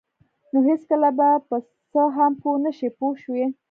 نو هېڅکله به په څه هم پوه نشئ پوه شوې!.